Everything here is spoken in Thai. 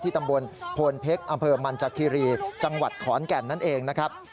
ตำบลโพนเพชรอำเภอมันจากคีรีจังหวัดขอนแก่นนั่นเองนะครับ